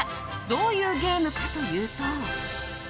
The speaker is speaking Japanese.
どういうゲームかというと。